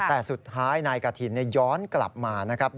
แต่สุดท้ายนายกฐินย้อนกลับมานะครับ